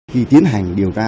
khi tiến hành điều tra